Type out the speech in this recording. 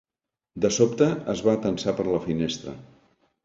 De sobte, es va atansar per la finestra.